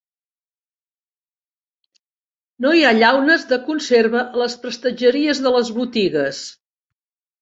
No hi ha llaunes de conserva a les prestatgeries de les botigues.